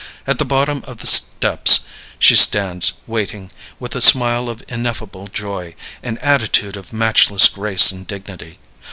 At the bottom of the steps she stands waiting, with a smile of ineffable joy, an attitude of matchless grace and dignity.